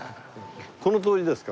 この通りですか。